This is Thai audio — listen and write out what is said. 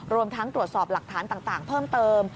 รวมทั้งตรวจสอบหลักฐานต่างเพิ่มเติม